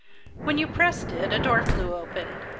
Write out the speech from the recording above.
When you pressed it a door flew open.